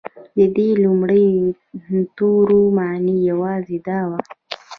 د دې لومړیو تورونو معنی یوازې دا وه.